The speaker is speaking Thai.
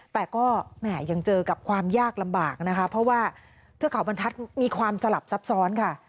แต่ก็แหม่ยังเจอกับความยากลำบากนะคะเพราะว่าเทือกเขาบรรทัศน์มีความสลับซับซ้อนค่ะ